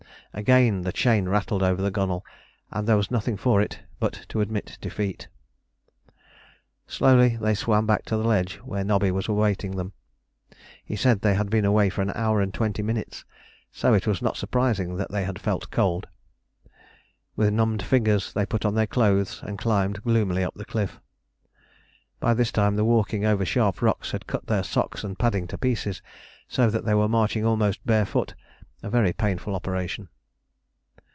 Again the chain rattled over the gunwale, and there was nothing for it but to admit defeat. Slowly they swam back to the ledge where Nobby was awaiting them. He said they had been away for an hour and twenty minutes, so it was not surprising that they had felt cold. With numbed fingers they put on their clothes and climbed gloomily up the cliff. By this time the walking over sharp rocks had cut their socks and padding to pieces, so that they were marching almost barefoot, a very painful operation.